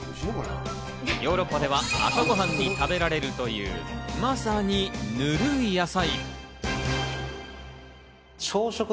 ヨーロッパでは朝ご飯に食べられるというまさに塗る野菜。